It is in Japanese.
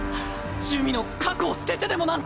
珠魅の核を捨ててでもなんて。